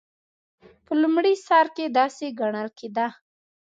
په لومړي سر کې داسې ګڼل کېده.